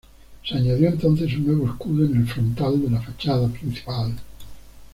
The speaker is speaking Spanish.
Se añadió entonces un nuevo escudo en el frontal de la fachada principal.